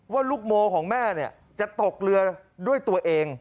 ว่าลูกโมของแม่จะตกเรือด้วยตัวเอง